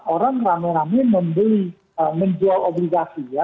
orang rame rame membeli menjual obligasi ya